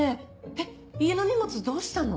えっ家の荷物どうしたの？